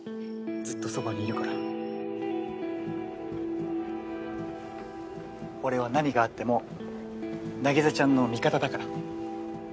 ずっとそばにいるから俺は何があっても凪沙ちゃんの味方だから。